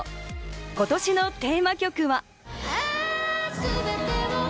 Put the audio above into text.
今年のテーマ曲は。